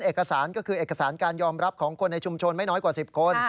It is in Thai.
เอกสารก็คือเอกสารการยอมรับของคนในชุมชนไม่น้อยกว่า๑๐คน